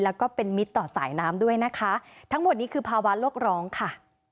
แล้วก็เป็นมิตรต่อสายน้ำด้วยนะคะทั้งหมดนี้คือภาวะโลกร้องค่ะ